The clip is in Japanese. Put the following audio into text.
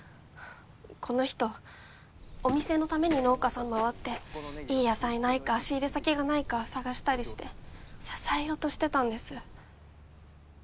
この人お店のために農家さんまわっていい野菜ないか仕入れ先がないか探したりして支えようとしてたんです